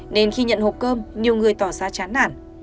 nên khi nhận hộp cơm nhiều người tỏ ra chán nản